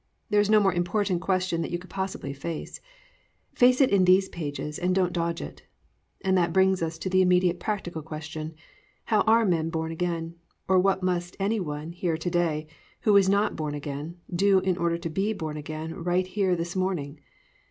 There is no more important question that you could possibly face. Face it in these pages and don't dodge it. And that brings us to the immediately practical question, How are men born again, or what must any one here to day, who is not born again, do in order to be born again right here this morning?